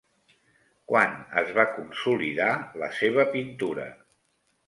Quan es va consolidar la seva pintura?